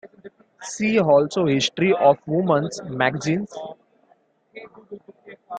See also history of women's magazines.